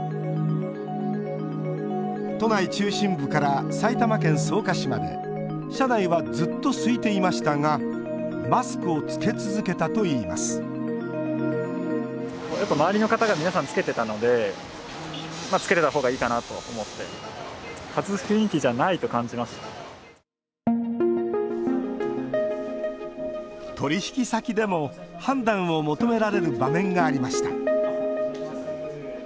都内中心部から埼玉県草加市まで車内はずっと空いていましたがマスクをつけ続けたといいます取引先でも、判断を求められる場面がありました。